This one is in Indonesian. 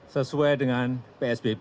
sesuai dengan psbb